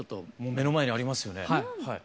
目の前にありますよね。